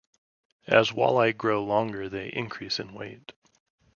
As walleye grow longer, they increase in weight.